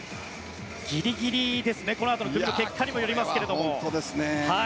ギリギリですねこの後の組の結果にもよりますが。